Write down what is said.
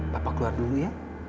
papa keluar dulu ya